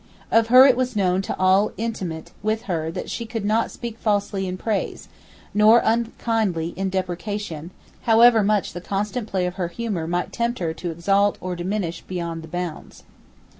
Of her it was known to all intimate with her that she could not speak falsely in praise, nor unkindly in depreciation, however much the constant play of her humour might tempt her to exalt or diminish beyond the bounds.